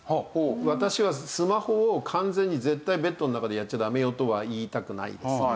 私はスマホを完全に絶対ベッドの中でやっちゃダメよとは言いたくないです。